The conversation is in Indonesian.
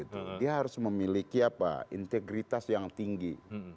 dia harus memiliki integritas yang tinggi